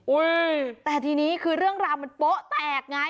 แต่ทีนี้คือเรื่องราวมันโป๊ะแตกไง